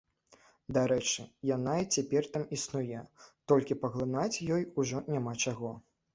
Дарэчы, яна і цяпер там існуе, толькі паглынаць ёй ужо няма чаго.